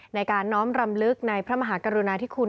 ในการน้อมรำลึกในพระมหากรุณาธิคุณ